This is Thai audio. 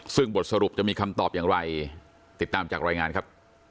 ซึ่งบทสรุปจะมีคำตอบอย่างไรติดตามจากรายงานครับ